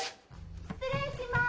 失礼します